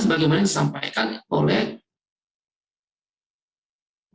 sebagaimana yang disampaikan oleh